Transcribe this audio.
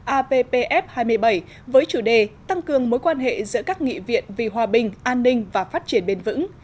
appf hai mươi bảy với chủ đề tăng cường mối quan hệ giữa các nghị viện vì hòa bình an ninh và phát triển bền vững